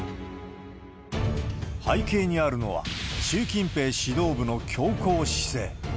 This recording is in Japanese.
背景にあるのは、習近平指導部の強硬姿勢。